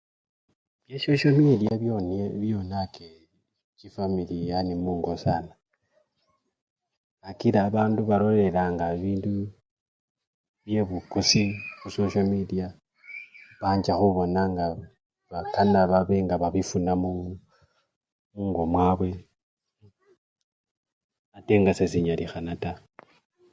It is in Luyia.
Bya shosho mediya byonye! byonaka chifamili yani mungo sana kakila babando balolelanga bindu bi! byebukosi khusosho mediya banjja khubona nga bakana babe nga babifuna mu! ngo mwabwe ate nga sesinyalikhana taa.